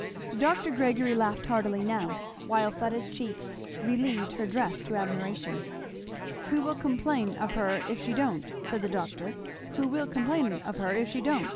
Dr. Gregory laughed heartily now, while Fleda's cheeks relieved her dress to admiration. "Who will complain of her if she don't?" said the doctor. "Who will complain of her if she don't?"